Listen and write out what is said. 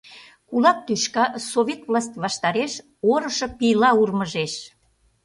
Кулак тӱшка Совет власть ваштареш орышо пийла урмыжеш.